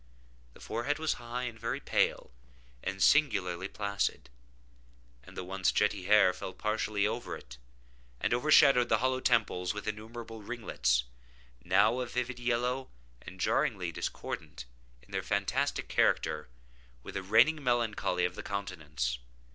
The forehead was high, and very pale, and singularly placid; and the once jetty hair fell partially over it, and overshadowed the hollow temples with innumerable ringlets, now of a vivid yellow, and jarring discordantly, in their fantastic character, with the reigning melancholy of the countenance.